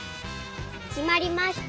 きまりました。